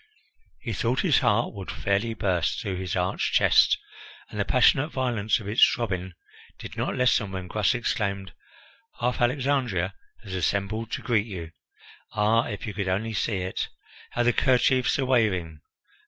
He thought his heart would fairly burst through his arched chest, and the passionate violence of its throbbing did not lessen when Gras exclaimed: "Half Alexandria has assembled to greet you. Ah, if you could only see it! How the kerchiefs are waving!